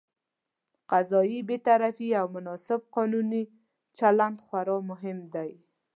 قضايي بېطرفي او مناسب قانوني چلند خورا مهم دي.